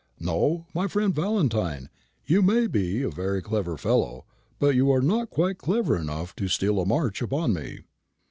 No, my friend Valentine, you may be a very clever fellow, but you are not quite clever enough to steal a march upon me."